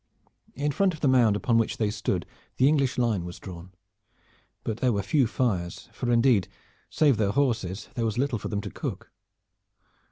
In front of the mound upon which they stood the English line was drawn, but there were few fires, for indeed, save their horses, there was little for them to cook.